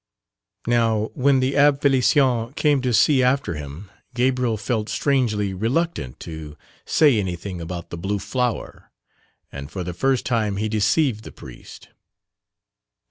Now when the Abbé Félicien came to see after him, Gabriel felt strangely reluctant to say anything about the blue flower and for the first time he deceived the priest.